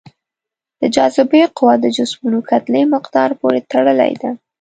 د جاذبې قوه د جسمونو کتلې مقدار پورې تړلې ده.